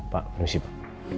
pak permisi pak